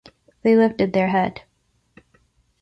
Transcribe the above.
They lifted their head.